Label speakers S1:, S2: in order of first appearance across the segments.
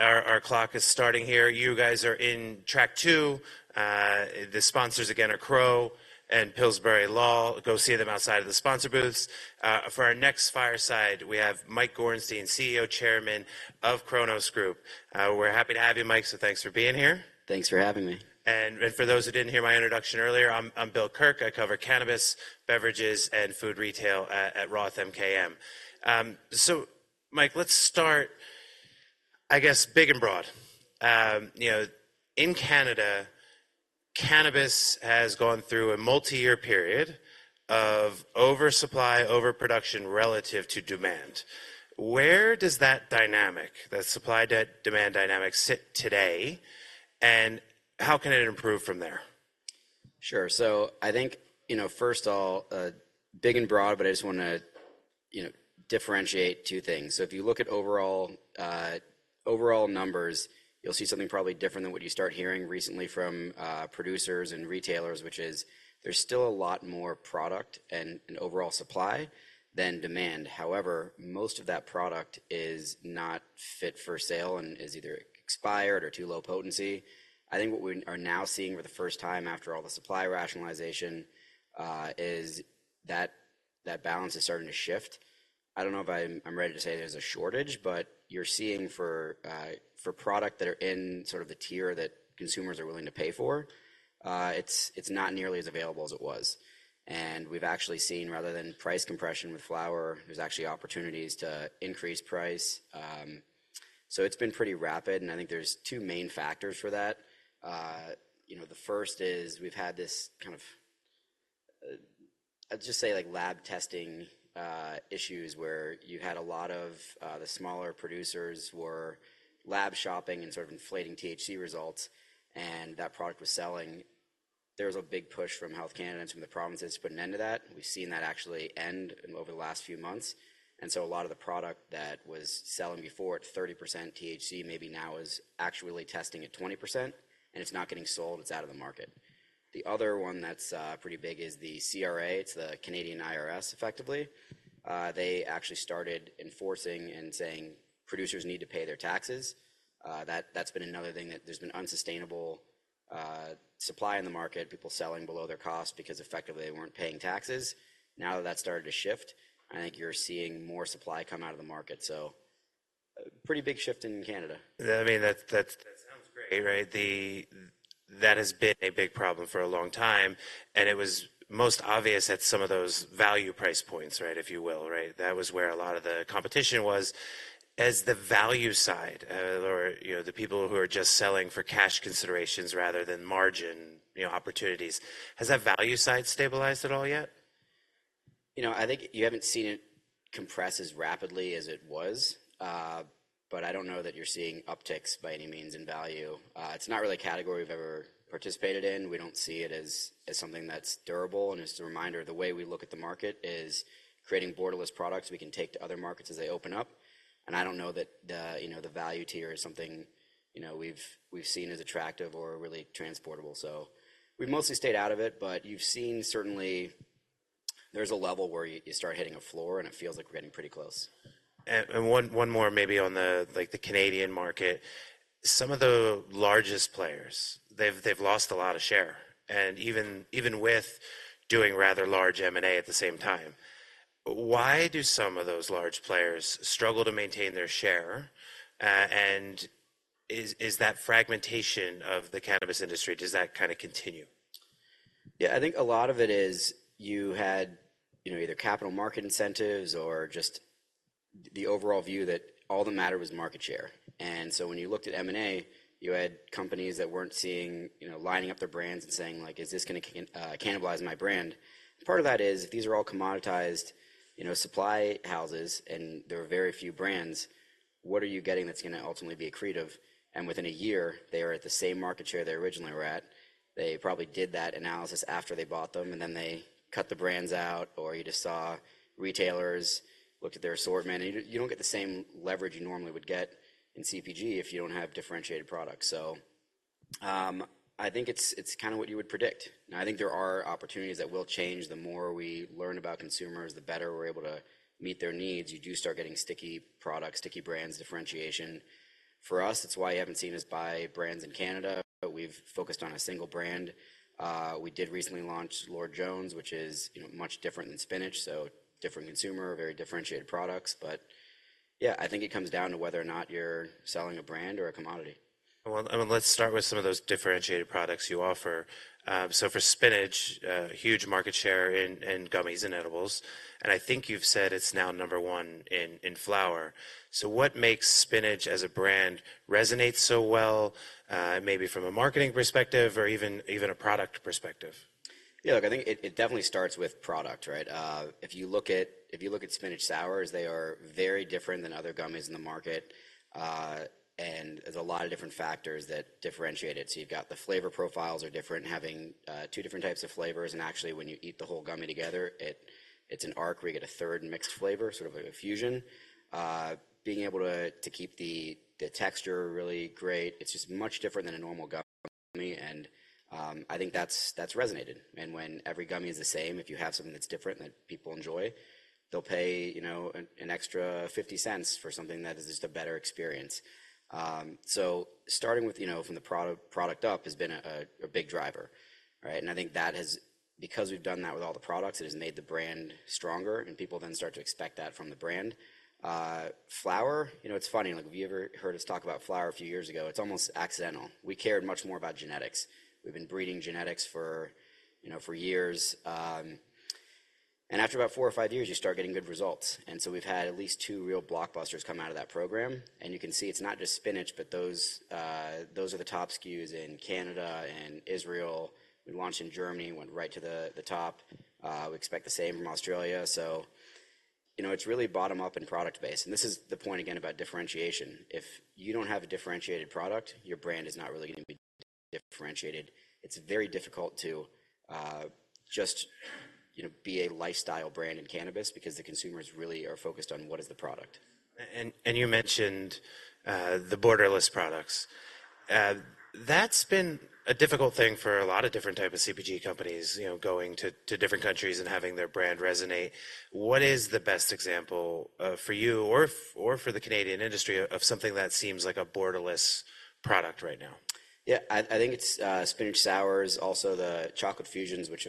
S1: All right, our clock is starting here. You guys are in track two. The sponsors again are Crowe and Pillsbury Law. Go see them outside of the sponsor booths. For our next fireside, we have Mike Gorenstein, CEO, Chairman of Cronos Group. We're happy to have you, Mike, so thanks for being here.
S2: Thanks for having me.
S1: For those who didn't hear my introduction earlier, I'm Bill Kirk. I cover cannabis, beverages, and food retail at Roth MKM. So Mike, let's start, I guess, big and broad. You know, in Canada, cannabis has gone through a multi-year period of oversupply, overproduction relative to demand. Where does that dynamic, that supply-demand dynamic, sit today, and how can it improve from there?
S2: Sure. So I think, you know, first of all, big and broad, but I just wanna, you know, differentiate two things. So if you look at overall, overall numbers, you'll see something probably different than what you start hearing recently from producers and retailers, which is there's still a lot more product and overall supply than demand. However, most of that product is not fit for sale and is either expired or too low potency. I think what we are now seeing for the first time after all the supply rationalization is that balance is starting to shift. I don't know if I'm ready to say there's a shortage, but you're seeing for product that are in sort of the tier that consumers are willing to pay for, it's not nearly as available as it was. We've actually seen, rather than price compression with flower, there's actually opportunities to increase price. So it's been pretty rapid, and I think there's two main factors for that. You know, the first is we've had this kind of, I'd just say, like lab testing issues where you had a lot of the smaller producers were lab shopping and sort of inflating THC results, and that product was selling. There was a big push from Health Canada and from the provinces to put an end to that. We've seen that actually end over the last few months, and so a lot of the product that was selling before at 30% THC, maybe now is actually testing at 20%, and it's not getting sold. It's out of the market. The other one that's pretty big is the CRA. It's the Canadian IRS, effectively. They actually started enforcing and saying producers need to pay their taxes. That's been another thing, that there's been unsustainable supply in the market, people selling below their cost because effectively they weren't paying taxes. Now that that's started to shift, I think you're seeing more supply come out of the market, so a pretty big shift in Canada.
S1: I mean, that sounds great, right? That has been a big problem for a long time, and it was most obvious at some of those value price points, right, if you will, right? That was where a lot of the competition was. Has the value side, or, you know, the people who are just selling for cash considerations rather than margin, you know, opportunities, has that value side stabilized at all yet?
S2: You know, I think you haven't seen it compress as rapidly as it was, but I don't know that you're seeing upticks by any means in value. It's not really a category we've ever participated in. We don't see it as something that's durable. And just a reminder, the way we look at the market is creating borderless products we can take to other markets as they open up, and I don't know that the value tier is something we've seen as attractive or really transportable. So we've mostly stayed out of it, but you've seen certainly there's a level where you start hitting a floor, and it feels like we're getting pretty close.
S1: And one more maybe on the, like, Canadian market. Some of the largest players, they've lost a lot of share, and even with doing rather large M&A at the same time. Why do some of those large players struggle to maintain their share? And is that fragmentation of the cannabis industry, does that kind of continue?
S2: Yeah, I think a lot of it is you had, you know, either capital market incentives or just the overall view that all that mattered was market share. And so when you looked at M&A, you had companies that weren't seeing, you know, lining up their brands and saying like: "Is this gonna cannibalize my brand?" Part of that is these are all commoditized, you know, supply houses, and there are very few brands. What are you getting that's gonna ultimately be accretive? And within a year, they are at the same market share they originally were at. They probably did that analysis after they bought them, and then they cut the brands out, or you just saw retailers looked at their assortment, and you don't get the same leverage you normally would get in CPG if you don't have differentiated products. So, I think it's kind of what you would predict. Now, I think there are opportunities that will change. The more we learn about consumers, the better we're able to meet their needs. You do start getting sticky products, sticky brands, differentiation. For us, it's why you haven't seen us buy brands in Canada, but we've focused on a single brand. We did recently launch Lord Jones, which is, you know, much different than Spinach, so different consumer, very differentiated products. But yeah, I think it comes down to whether or not you're selling a brand or a commodity.
S1: Well, I mean, let's start with some of those differentiated products you offer. So for Spinach, a huge market share in gummies and edibles, and I think you've said it's now number one in flower. So what makes Spinach as a brand resonate so well, maybe from a marketing perspective or even a product perspective?
S2: Yeah, look, I think it definitely starts with product, right? If you look at Spinach Sourz, they are very different than other gummies in the market. And there's a lot of different factors that differentiate it. So you've got the flavor profiles are different, having two different types of flavors, and actually, when you eat the whole gummy together, it's an arc where you get a third mixed flavor, sort of like a fusion. Being able to keep the texture really great, it's just much different than a normal gummy, and I think that's resonated. And when every gummy is the same, if you have something that's different, that people enjoy, they'll pay, you know, an extra $0.50 for something that is just a better experience. So starting with, you know, from the product lineup has been a big driver, right? And I think that has, because we've done that with all the products, it has made the brand stronger, and people then start to expect that from the brand. Flower, you know, it's funny, like, if you ever heard us talk about flower a few years ago, it's almost accidental. We cared much more about genetics. We've been breeding genetics for, you know, for years. And after about four or five years, you start getting good results. And so we've had at least two real blockbusters come out of that program. And you can see it's not just Spinach, but those are the top SKUs in Canada and Israel. We launched in Germany, went right to the top. We expect the same from Australia. So, you know, it's really bottom-up and product-based. And this is the point, again, about differentiation. If you don't have a differentiated product, your brand is not really going to be differentiated. It's very difficult to just, you know, be a lifestyle brand in cannabis because the consumers really are focused on what is the product.
S1: You mentioned the borderless products. That's been a difficult thing for a lot of different type of CPG companies, you know, going to different countries and having their brand resonate. What is the best example for you or for the Canadian industry of something that seems like a borderless product right now?
S2: Yeah, I think it's Spinach Sourz, also the Chocolate Fusions, which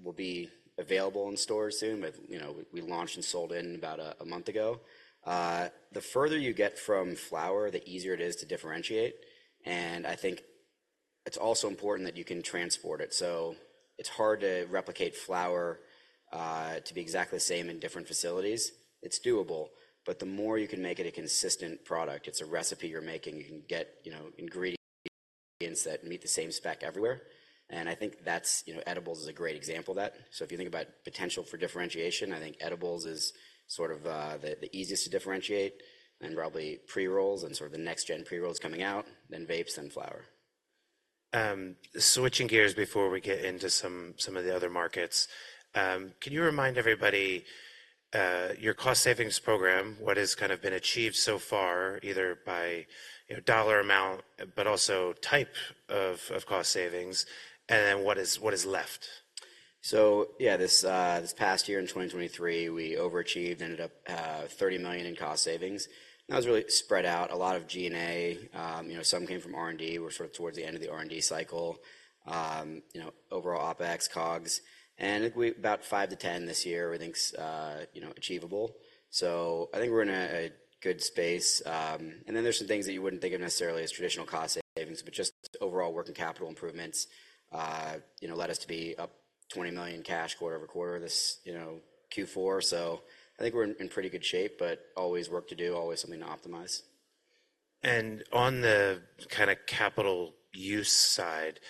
S2: will be available in stores soon. But, you know, we launched and sold out in about a month ago. The further you get from flower, the easier it is to differentiate, and I think it's also important that you can transport it. So it's hard to replicate flower to be exactly the same in different facilities. It's doable, but the more you can make it a consistent product, it's a recipe you're making, you can get, you know, ingredients that meet the same spec everywhere. And I think that's, you know, edibles is a great example of that. So if you think about potential for differentiation, I think edibles is sort of the easiest to differentiate and probably pre-rolls and sort of the next-gen pre-rolls coming out, then vapes, then flower.
S1: Switching gears before we get into some of the other markets, can you remind everybody your cost savings program, what has kind of been achieved so far, either by, you know, dollar amount, but also type of cost savings, and then what is left?
S2: So yeah, this, this past year in 2023, we overachieved, ended up, $30 million in cost savings. That was really spread out. A lot of G&A, you know, some came from R&D. We're sort of towards the end of the R&D cycle. You know, overall OpEx, COGS, and I think we about $5 million-$10 million this year, I think, you know, achievable. So I think we're in a good space. And then there's some things that you wouldn't think of necessarily as traditional cost savings, but just overall working capital improvements, you know, led us to be up $20 million cash quarter-over-quarter this Q4. So I think we're in pretty good shape, but always work to do, always something to optimize.
S1: On the kinda capital use side,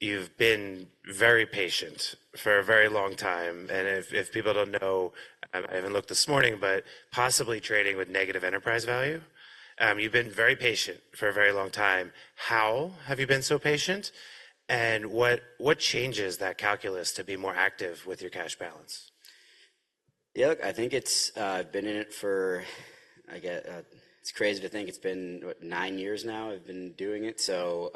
S1: you've been very patient for a very long time, and if people don't know, I haven't looked this morning, but possibly trading with negative enterprise value. You've been very patient for a very long time. How have you been so patient, and what changes that calculus to be more active with your cash balance?
S2: Yeah, look, I think it's, I've been in it for, I get... It's crazy to think it's been, what, nine years now I've been doing it. So,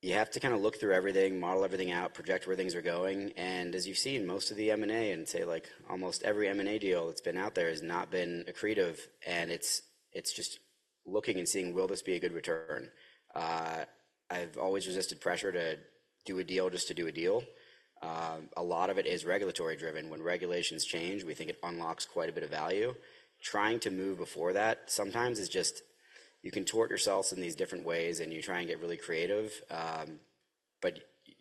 S2: you have to kind of look through everything, model everything out, project where things are going. And as you've seen, most of the M&A and say, like almost every M&A deal that's been out there has not been accretive, and it's, it's just looking and seeing, will this be a good return? I've always resisted pressure to do a deal just to do a deal. A lot of it is regulatory-driven. When regulations change, we think it unlocks quite a bit of value. Trying to move before that sometimes is just, you can torture yourselves in these different ways, and you try and get really creative, but,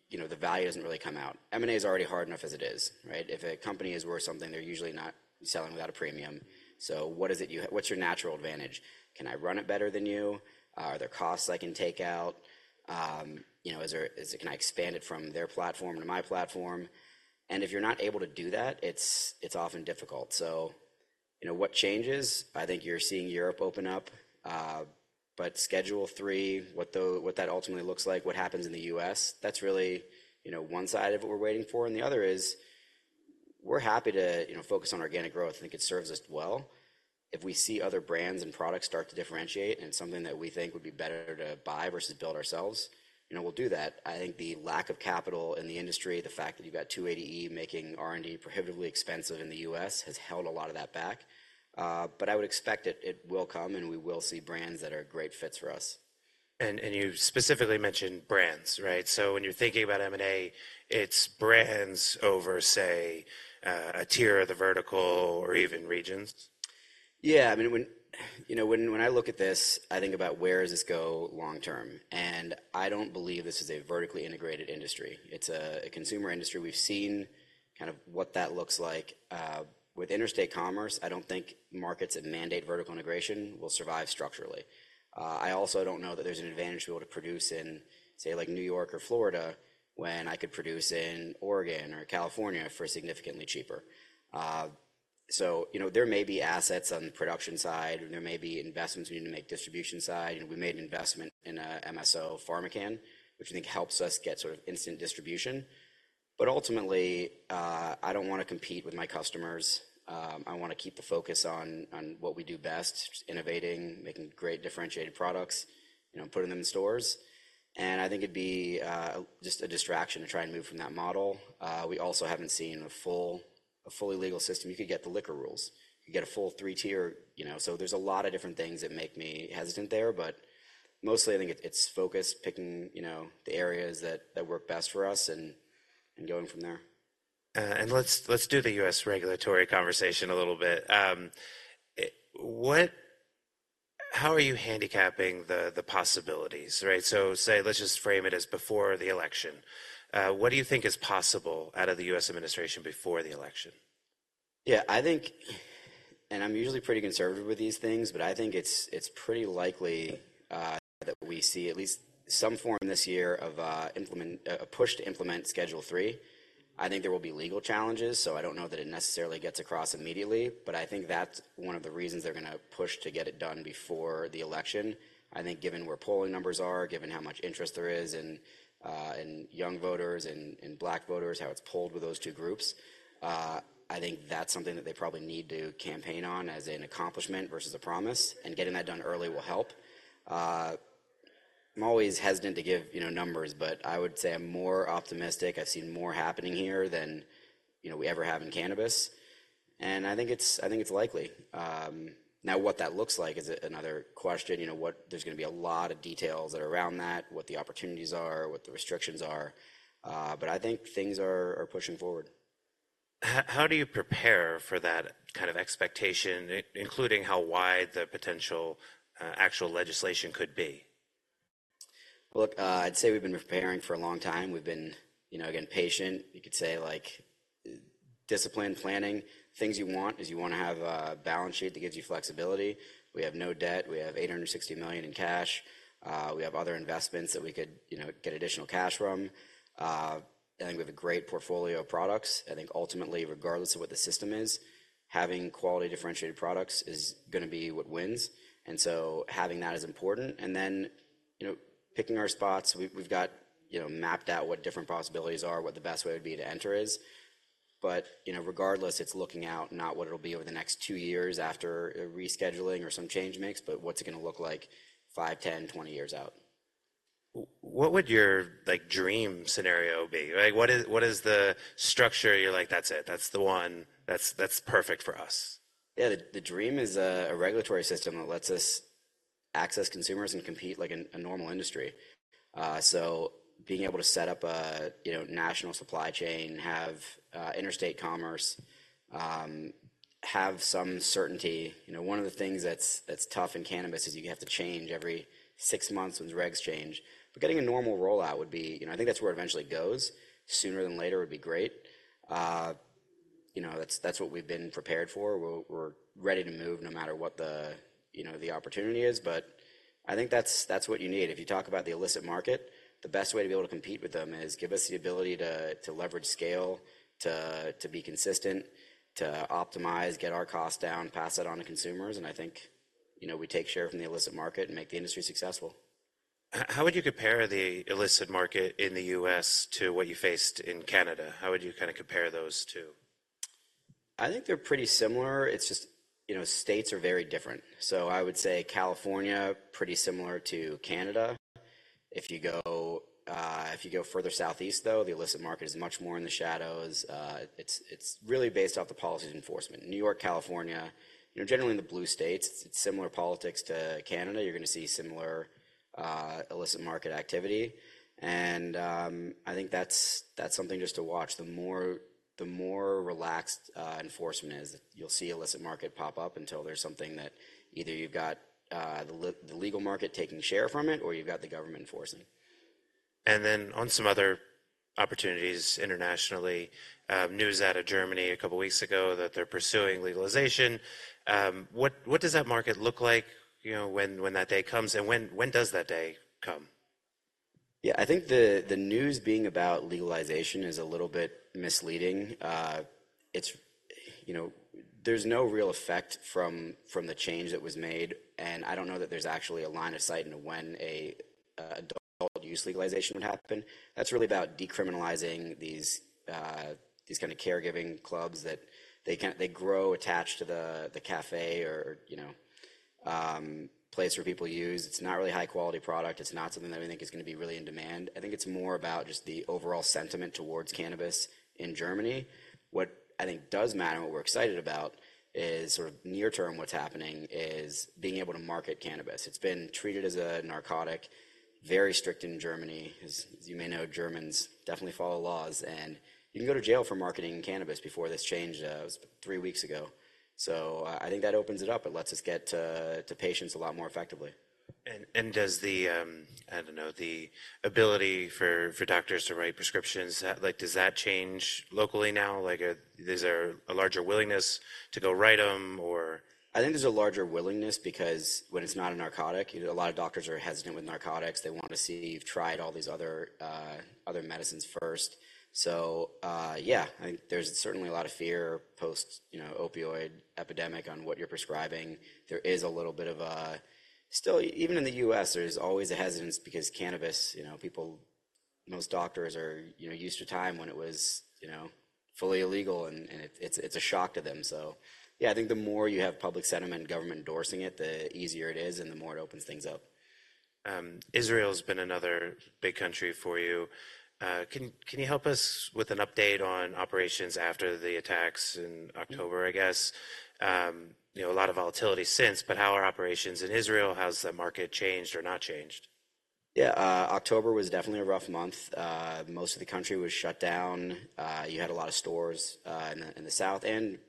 S2: you know, the value doesn't really come out. M&A is already hard enough as it is, right? If a company is worth something, they're usually not selling without a premium. So what is it you have? What's your natural advantage? Can I run it better than you? Are there costs I can take out? You know, is there, is it, can I expand it from their platform to my platform? And if you're not able to do that, it's, it's often difficult. So, you know, what changes? I think you're seeing Europe open up, but Schedule III, what that ultimately looks like, what happens in the U.S., that's really, you know, one side of what we're waiting for. And the other is, we're happy to, you know, focus on organic growth. I think it serves us well. If we see other brands and products start to differentiate and something that we think would be better to buy versus build ourselves, you know, we'll do that. I think the lack of capital in the industry, the fact that you've got 280E making R&D prohibitively expensive in the US, has held a lot of that back. But I would expect it, it will come, and we will see brands that are great fits for us.
S1: And you specifically mentioned brands, right? So when you're thinking about M&A, it's brands over, say, a tier of the vertical or even regions?
S2: Yeah. I mean, when, you know, when I look at this, I think about where does this go long term? And I don't believe this is a vertically integrated industry. It's a consumer industry. We've seen kind of what that looks like. With interstate commerce, I don't think markets that mandate vertical integration will survive structurally. I also don't know that there's an advantage to be able to produce in, say, like New York or Florida, when I could produce in Oregon or California for significantly cheaper. So, you know, there may be assets on the production side, or there may be investments we need to make distribution side. You know, we made an investment in a MSO PharmaCann, which I think helps us get sort of instant distribution. But ultimately, I don't wanna compete with my customers. I wanna keep the focus on what we do best: innovating, making great differentiated products, you know, putting them in stores. I think it'd be just a distraction to try and move from that model. We also haven't seen a fully legal system. You could get the liquor rules. You get a full three-tier, you know, so there's a lot of different things that make me hesitant there, but mostly, I think it's focused, picking, you know, the areas that work best for us and going from there.
S1: And let's do the U.S. regulatory conversation a little bit. How are you handicapping the possibilities, right? So say, let's just frame it as before the election. What do you think is possible out of the U.S. administration before the election?
S2: Yeah, I think, and I'm usually pretty conservative with these things, but I think it's, it's pretty likely that we see at least some form this year of a push to implement Schedule III. I think there will be legal challenges, so I don't know that it necessarily gets across immediately, but I think that's one of the reasons they're gonna push to get it done before the election. I think given where polling numbers are, given how much interest there is in young voters and in Black voters, how it's polled with those two groups, I think that's something that they probably need to campaign on as an accomplishment versus a promise, and getting that done early will help. I'm always hesitant to give, you know, numbers, but I would say I'm more optimistic. I've seen more happening here than, you know, we ever have in cannabis, and I think it's, I think it's likely. Now, what that looks like is another question. You know what? There's gonna be a lot of details around that, what the opportunities are, what the restrictions are, but I think things are, are pushing forward.
S1: How, how do you prepare for that kind of expectation, including how wide the potential actual legislation could be?
S2: Look, I'd say we've been preparing for a long time. We've been, you know, again, patient. You could say, like, disciplined planning. Things you want is you wanna have a balance sheet that gives you flexibility. We have no debt. We have $860 million in cash. We have other investments that we could, you know, get additional cash from. I think we have a great portfolio of products. I think ultimately, regardless of what the system is, having quality differentiated products is gonna be what wins, and so having that is important. And then, you know, picking our spots, we've got, you know, mapped out what different possibilities are, what the best way would be to enter is. But, you know, regardless, it's looking out, not what it'll be over the next 2 years after a rescheduling or some change makes, but what's it gonna look like 5, 10, 20 years out?
S1: What would your, like, dream scenario be? Like, what is, what is the structure you're like: "That's it. That's the one. That's, that's perfect for us?
S2: Yeah, the dream is a regulatory system that lets us access consumers and compete like a normal industry. So being able to set up a, you know, national supply chain, have interstate commerce, have some certainty. You know, one of the things that's tough in cannabis is you have to change every six months when the regs change. But getting a normal rollout would be... You know, I think that's where it eventually goes. Sooner than later would be great. You know, that's what we've been prepared for. We're ready to move no matter what the, you know, the opportunity is. But I think that's what you need. If you talk about the illicit market, the best way to be able to compete with them is give us the ability to leverage scale, to be consistent, to optimize, get our costs down, pass it on to consumers, and I think, you know, we take share from the illicit market and make the industry successful.
S1: How would you compare the illicit market in the US to what you faced in Canada? How would you kinda compare those two?
S2: I think they're pretty similar. It's just, you know, states are very different. So I would say California, pretty similar to Canada. If you go further southeast, though, the illicit market is much more in the shadows. It's really based off the policies enforcement. New York, California, you know, generally in the blue states, it's similar politics to Canada. You're gonna see similar, illicit market activity, and I think that's something just to watch. The more relaxed enforcement is, you'll see illicit market pop up until there's something that either you've got, the legal market taking share from it, or you've got the government enforcing.
S1: And then, on some other opportunities internationally, news out of Germany a couple of weeks ago that they're pursuing legalization. What does that market look like, you know, when that day comes, and when does that day come?
S2: Yeah, I think the news being about legalization is a little bit misleading. It's you know, there's no real effect from the change that was made, and I don't know that there's actually a line of sight into when adult use legalization would happen. That's really about decriminalizing these kind of caregiving clubs, that they grow attached to the cafe or, you know, place where people use. It's not really high-quality product. It's not something that we think is gonna be really in demand. I think it's more about just the overall sentiment towards cannabis in Germany. What I think does matter, and what we're excited about, is sort of near term, what's happening is being able to market cannabis. It's been treated as a narcotic, very strict in Germany. As you may know, Germans definitely follow laws, and you can go to jail for marketing cannabis before this change, it was three weeks ago. So, I think that opens it up. It lets us get to patients a lot more effectively.
S1: And does the, I don't know, the ability for doctors to write prescriptions, like, does that change locally now? Like, is there a larger willingness to go write them or-
S2: I think there's a larger willingness because when it's not a narcotic... You know, a lot of doctors are hesitant with narcotics. They want to see you've tried all these other, other medicines first. So, yeah, I think there's certainly a lot of fear post, you know, opioid epidemic on what you're prescribing. There is a little bit of a, still, even in the U.S., there's always a hesitance because cannabis, you know, people, most doctors are, you know, used to a time when it was, you know, fully illegal, and, and it, it's a shock to them. So yeah, I think the more you have public sentiment and government endorsing it, the easier it is and the more it opens things up.
S1: Israel's been another big country for you. Can you help us with an update on operations after the attacks in October, I guess? You know, a lot of volatility since, but how are operations in Israel? How's the market changed or not changed?
S2: Yeah, October was definitely a rough month. Most of the country was shut down. You had a lot of stores in the south and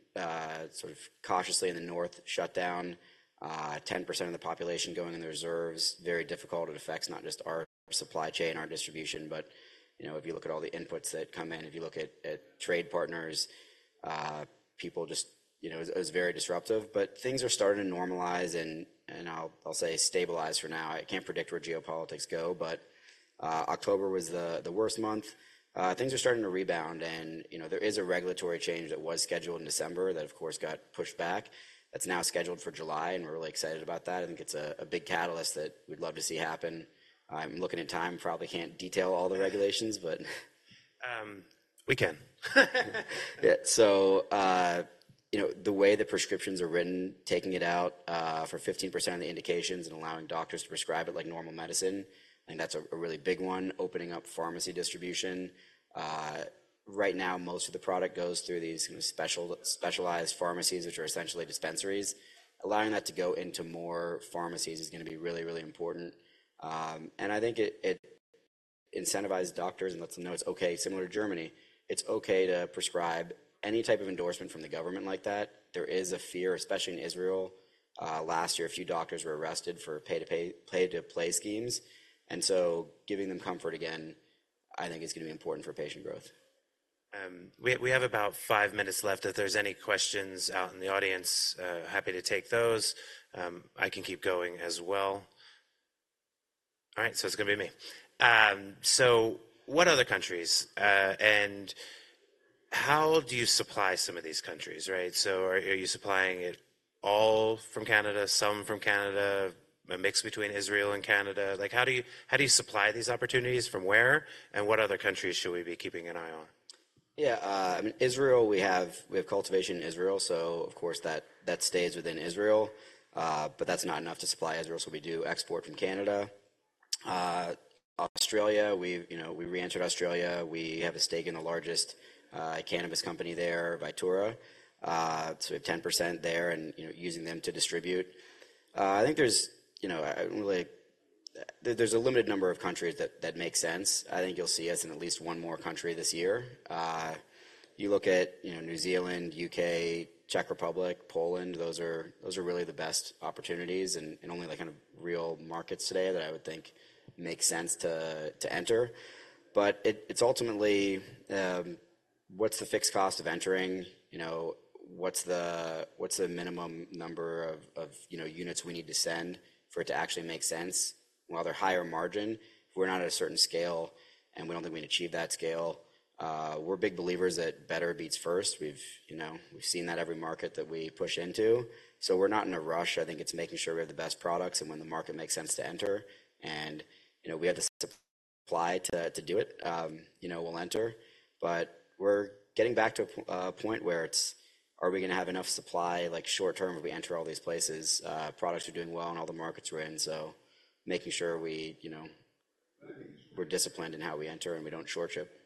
S2: sort of cautiously in the north, shut down. 10% of the population going in the reserves, very difficult. It affects not just our supply chain, our distribution, but, you know, if you look at all the inputs that come in, if you look at trade partners, people just... You know, it was very disruptive. But things are starting to normalize and I'll say stabilize for now. I can't predict where geopolitics go, but October was the worst month. Things are starting to rebound and, you know, there is a regulatory change that was scheduled in December that, of course, got pushed back. That's now scheduled for July, and we're really excited about that. I think it's a big catalyst that we'd love to see happen. I'm looking at time, probably can't detail all the regulations, but-
S1: We can.
S2: Yeah. So, you know, the way the prescriptions are written, taking it out for 15% of the indications and allowing doctors to prescribe it like normal medicine, I think that's a really big one, opening up pharmacy distribution. Right now, most of the product goes through these specialized pharmacies, which are essentially dispensaries. Allowing that to go into more pharmacies is gonna be really, really important. And I think it incentivizes doctors and lets them know it's okay. Similar to Germany, it's okay to prescribe any type of endorsement from the government like that. There is a fear, especially in Israel. Last year, a few doctors were arrested for pay-to-play schemes, and so giving them comfort again, I think is gonna be important for patient growth.
S1: We have about five minutes left. If there's any questions out in the audience, happy to take those. I can keep going as well. All right, so it's gonna be me. So what other countries and how do you supply some of these countries, right? So are you supplying it all from Canada, some from Canada, a mix between Israel and Canada? Like, how do you supply these opportunities from where, and what other countries should we be keeping an eye on?
S2: Yeah, I mean, Israel, we have cultivation in Israel, so of course, that stays within Israel. But that's not enough to supply Israel, so we do export from Canada. Australia, you know, we re-entered Australia. We have a stake in the largest cannabis company there, Vitura, so we have 10% there and, you know, using them to distribute. I think there's, you know, really a limited number of countries that make sense. I think you'll see us in at least one more country this year. You look at, you know, New Zealand, U.K., Czech Republic, Poland, those are really the best opportunities and only the kind of real markets today that I would think make sense to enter. But it's ultimately what's the fixed cost of entering, you know, what's the minimum number of units we need to send for it to actually make sense? While they're higher margin, if we're not at a certain scale, and we don't think we'd achieve that scale, we're big believers that better beats first. You know, we've seen that every market that we push into, so we're not in a rush. I think it's making sure we have the best products and when the market makes sense to enter, and, you know, we have the supply to do it, you know, we'll enter. But we're getting back to a point where it's, are we gonna have enough supply, like short term, if we enter all these places? Products are doing well in all the markets we're in, so making sure we, you know, we're disciplined in how we enter and we don't short ship.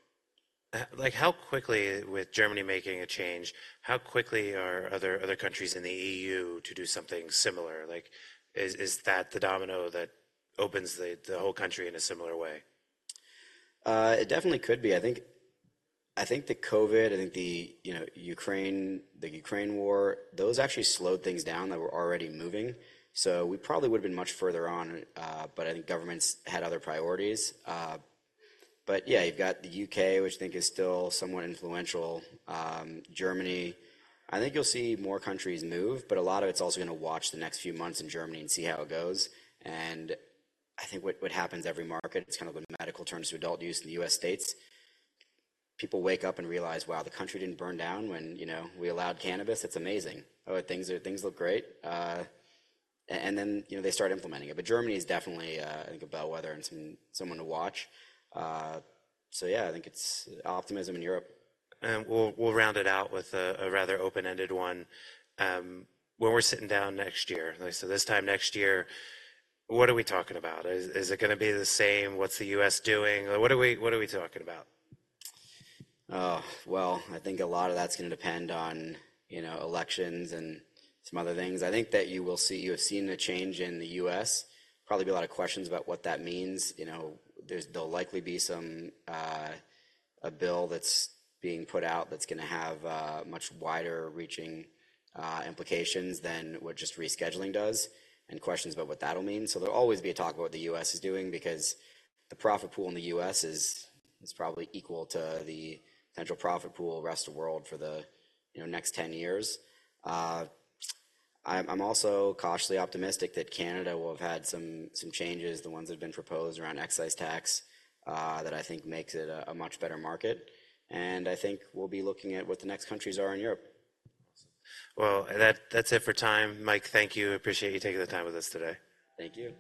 S1: Like, how quickly, with Germany making a change, how quickly are other countries in the EU to do something similar? Like, is that the domino that opens the whole country in a similar way?
S2: It definitely could be. I think the COVID, you know, Ukraine, the Ukraine war, those actually slowed things down that were already moving, so we probably would've been much further on, but I think governments had other priorities. But yeah, you've got the U.K., which I think is still somewhat influential. Germany, I think you'll see more countries move, but a lot of it's also gonna watch the next few months in Germany and see how it goes. And I think what happens in every market, it's kind of the medical terms to adult use in the U.S. states. People wake up and realize, "Wow, the country didn't burn down when, you know, we allowed cannabis. It's amazing. Oh, things look great." And then, you know, they start implementing it. Germany is definitely, I think, a bellwether and someone to watch. So yeah, I think it's optimism in Europe.
S1: We'll round it out with a rather open-ended one. When we're sitting down next year, like I said, this time next year, what are we talking about? Is it gonna be the same? What's the U.S. doing? What are we talking about?
S2: Oh, well, I think a lot of that's gonna depend on, you know, elections and some other things. I think that you will see you have seen a change in the US, probably be a lot of questions about what that means. You know, there'll likely be some a bill that's being put out that's gonna have much wider reaching implications than what just rescheduling does and questions about what that'll mean. So there'll always be a talk about what the US is doing because the profit pool in the US is probably equal to the potential profit pool of the rest of the world for the, you know, next 10 years. I'm also cautiously optimistic that Canada will have had some changes, the ones that have been proposed around excise tax, that I think makes it a much better market, and I think we'll be looking at what the next countries are in Europe.
S1: Well, that's it for time. Mike, thank you. Appreciate you taking the time with us today.
S2: Thank you.